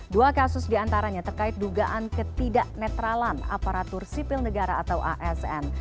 dua kasus diantaranya terkait dugaan ketidak netralan aparatur sipil negara atau asn